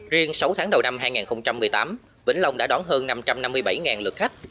riêng sáu tháng đầu năm hai nghìn một mươi tám vĩnh long đã đón hơn năm trăm năm mươi bảy lượt khách